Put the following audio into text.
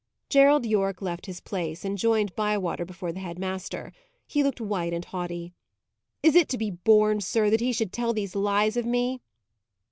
Gerald Yorke left his place, and joined Bywater before the head master. He looked white and haughty. "Is it to be borne, sir, that he should tell these lies of me?"